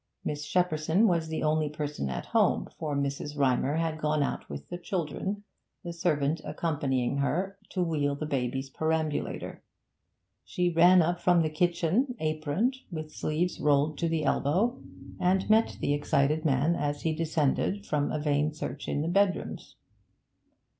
Miss Shepperson was the only person at home, for Mrs. Rymer had gone out with the children, the servant accompanying her to wheel baby's perambulator; she ran up from the kitchen, aproned, with sleeves rolled to the elbow, and met the excited man as he descended from a vain search in the bedrooms.